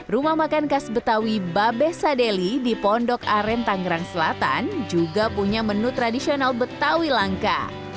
rumah makan khas betawi babe sadeli di pondok aren tangerang selatan juga punya menu tradisional betawi langka